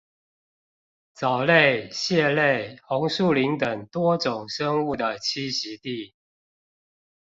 藻類、蟹類、紅樹林等多種生物的棲息地